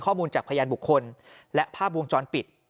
ข้อมูลจากพยานบุคคลและภาพวงจรปิด